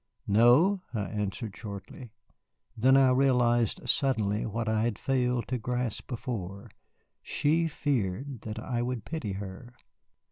"No," I answered shortly. Then I realized suddenly what I had failed to grasp before, she feared that I would pity her.